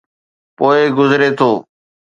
پوءِ گذري ٿو.